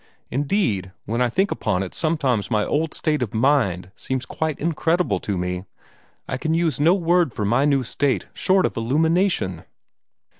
Indeed, when I think upon it sometimes my old state of mind seems quite incredible to me. I can use no word for my new state short of illumination."